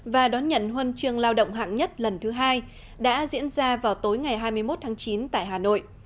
và đón nhận huân trường lao động hạng nhất lần thứ hai đã diễn ra vào tối ngày hai mươi một tháng chín tại hà nội